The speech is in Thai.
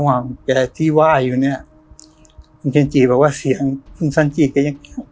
ห่วงแกที่ไหว้อยู่เนี้ยคุณเจนจีบอกว่าเสียงคุณซันจีแกยัง